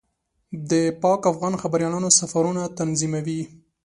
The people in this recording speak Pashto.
د پاک افغان خبریالانو سفرونه تنظیموي.